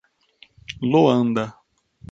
Loanda